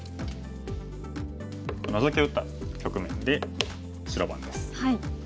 ノゾキを打った局面で白番です。